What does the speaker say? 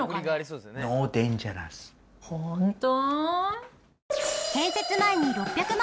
本当？